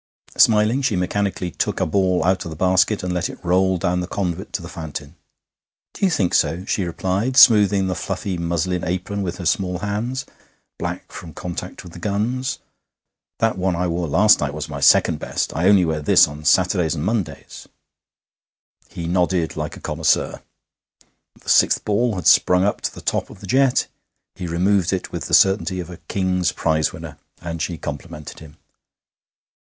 Smiling, she mechanically took a ball out of the basket and let it roll down the conduit to the fountain. 'Do you think so?' she replied, smoothing the fluffy muslin apron with her small hands, black from contact with the guns. 'That one I wore last night was my second best. I only wear this on Saturdays and Mondays.' He nodded like a connoisseur. The sixth ball had sprung up to the top of the jet. He removed it with the certainty of a King's Prize winner, and she complimented him.